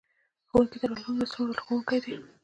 ښوونکي د راتلونکو نسلونو لارښوونکي دي.